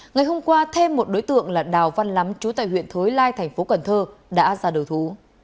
ngày hôm qua thêm một đối tượng là đào văn lắm trú tại huyện thối lai tp cn đã ra đầu thú